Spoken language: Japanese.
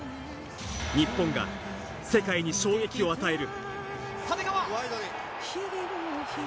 日本が世界に衝撃を与える。